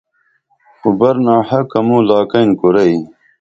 خو برناحقہ مو لاکیئن کُرئی